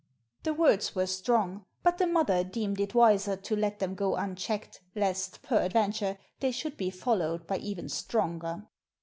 The words were strong, but the mother deemed it wiser to let them go unchecked, lest, peradventure, they should be followed by even stronger.